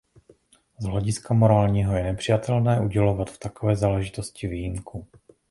Z hlediska morálního je nepřijatelné udělovat v takovéto záležitosti výjimku.